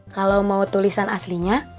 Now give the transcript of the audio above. kalau mau tulisan aslinya